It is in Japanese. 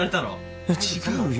いや違うよ。